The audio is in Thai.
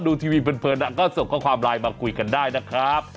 ดูทีวีเพลินก็ส่งข้อความไลน์มาคุยกันได้นะครับ